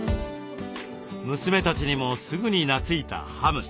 娘たちにもすぐになついたハム。